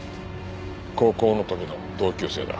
高校の時の同級生だ。